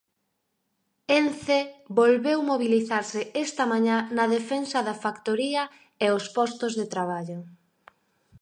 Ence volveu mobilizarse esta mañá na defensa da factoría e os postos de traballo.